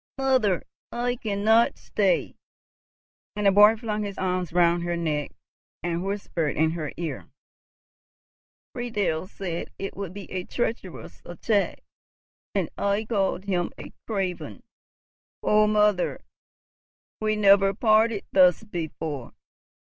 "Mother, I cannot stay!" and the boy flung his arms round her neck, and whispered in her ear, "Friedel said it would be a treacherous attack, and I called him a craven. Oh, mother, we never parted thus before!